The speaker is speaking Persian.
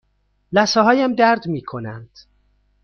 لثه هایم درد می کنند.